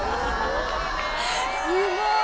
すごい！